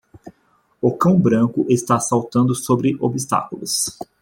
O cão branco está saltando sobre obstáculos.